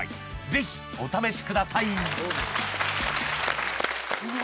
ぜひお試しください